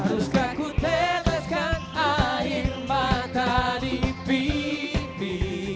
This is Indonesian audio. haruskah ku teteskan air mata di pipi